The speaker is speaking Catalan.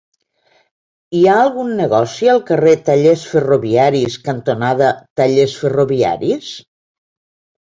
Hi ha algun negoci al carrer Tallers Ferroviaris cantonada Tallers Ferroviaris?